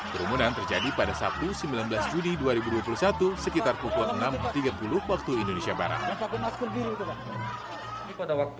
kerumunan terjadi pada sabtu sembilan belas juni dua ribu dua puluh satu sekitar pukul enam tiga puluh waktu indonesia barat